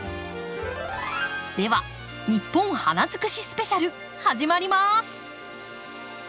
では「ニッポン花づくしスペシャル」始まります！